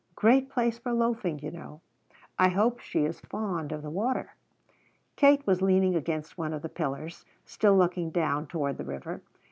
Great place for loafing, you know. I hope she is fond of the water?" Kate was leaning against one of the pillars, still looking down toward the river.